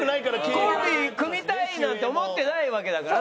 コンビ組みたいなんて思ってないわけだからね。